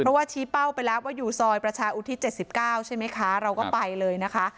เพราะว่าชี้เป้าไปแล้วว่าอยู่ซอยประชาอุทิศ๗๙ใช่ไหมคะเราก็ไปเลยนะคะ